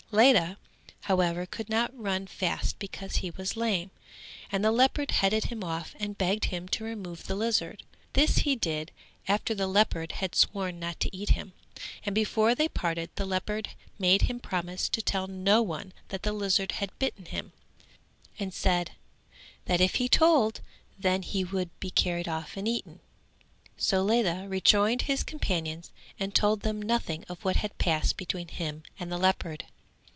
Ledha however could not run fast because he was lame, and the leopard headed him off and begged him to remove the lizard. This he did after the leopard had sworn not to eat him, and before they parted the leopard made him promise to tell no one that the lizard had bitten him, and said that if he told then he would be carried off and eaten. So Ledha rejoined his companions and told them nothing of what had passed between him and the leopard.